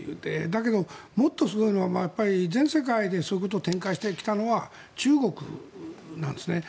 だけど、もっとすごいのは全世界でそういうことを展開してきたのは中国なんですね。